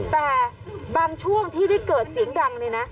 แต่บางช่วงที่ได้เกิดเสียงดังเนี่ยนะ